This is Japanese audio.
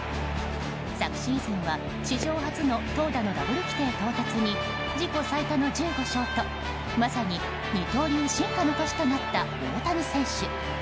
昨シーズンは史上初の投打のダブル規定到達に自己最多の１５勝とまさに二刀流進化の年となった大谷選手。